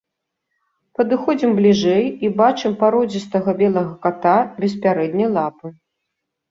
Падыходзім бліжэй і бачым пародзістага белага ката без пярэдняй лапы.